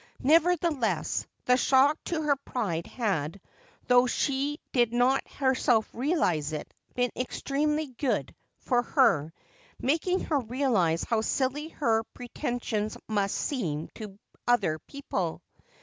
Nevertheless, the shock to her pride had, though she did not herself realize it, been extremely good for her, making her realize how silly her pretensions must seem to other people.